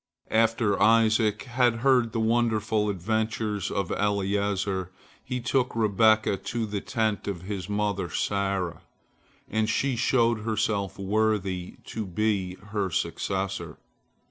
After Isaac had heard the wonderful adventures of Eliezer, he took Rebekah to the tent of his mother Sarah, and she showed herself worthy to be her successor.